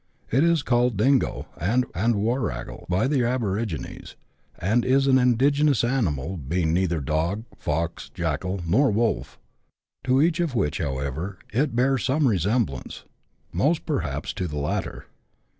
It is called dingo and "warragle" by the aborigines, and is an indigenous animal, being neither dog, fox, jackal, nor wolf, to each of which, however, it bears some resemblance, most perhaps to the latter.